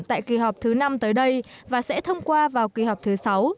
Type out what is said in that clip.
tại kỳ họp thứ năm tới đây và sẽ thông qua vào kỳ họp thứ sáu